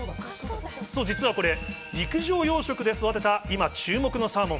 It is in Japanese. そう、実はこれ、陸上養殖で育てた今注目のサーモン。